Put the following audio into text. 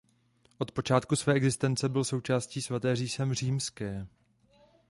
Od počátku své existence byl součástí Svaté říše římské.